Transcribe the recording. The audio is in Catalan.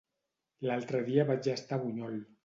L'altre dia vaig estar a Bunyol.